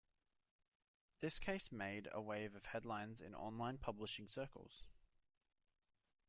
This case made a wave of headlines in online publishing circles.